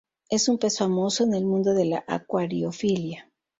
Es un pez famoso en el mundo de la acuariofilia.